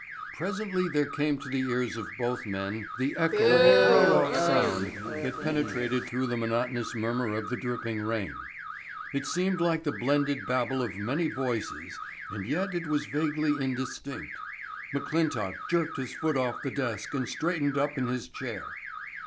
Presently there came to the ears of both men the echo of a far off sound that penetrated through the monotonous murmur of the dripping rain. It seemed like the blended babble of many voices and yet it was vaguely indistinct. McClintock jerked his foot off the desk and straightened up in his chair.